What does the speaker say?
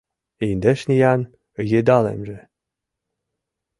Индеш ниян йыдалемже